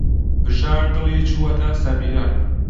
بژار دڵی چووەتە سەمیرە.